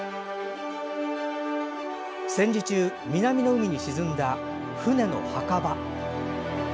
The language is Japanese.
戦時中、南の海に沈んだ船の墓場。